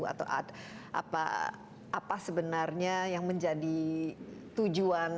atau apa sebenarnya yang menjadi tujuan